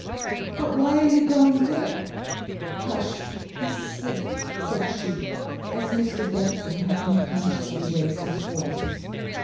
"But why are you going there?" "Hush! he's asleep," said she, as Mr Benson had unconsciously raised his voice.